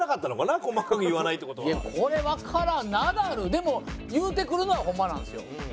でも言うてくるのはホンマなんですよ。